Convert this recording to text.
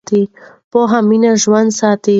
پوهه مینه ژوندۍ ساتي.